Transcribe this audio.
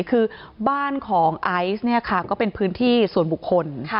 คือบ้านของไอซ์เนี่ยค่ะก็เป็นพื้นที่ส่วนบุคคล